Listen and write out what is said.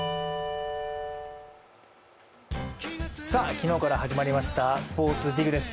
昨日から始まりました「ｓｐｏｒｔｓＤＩＧ」です。